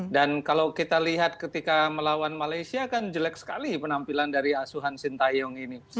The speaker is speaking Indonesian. dan kalau kita lihat ketika melawan malaysia kan jelek sekali penampilan dari asuhan sintayong ini